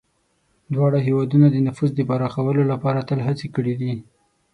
دواړه هېوادونه د نفوذ پراخولو لپاره تل هڅې کړي دي.